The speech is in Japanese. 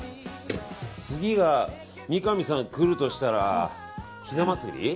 次、三上さんが来るとしたらひな祭り？